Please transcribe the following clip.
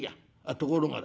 ところがだ